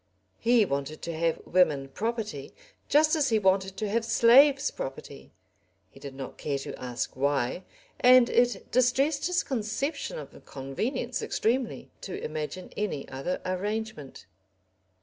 He wanted to have women property just as he wanted to have slaves property, he did not care to ask why, and it distressed his conception of convenience extremely to imagine any other arrangement.